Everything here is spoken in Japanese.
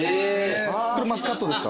これマスカットですか？